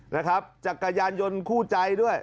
นะครับจักรยานยนต์คู่ใจด้วย